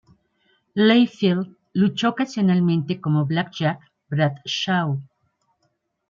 Layfield luchó ocasionalmente como "Blackjack Bradshaw".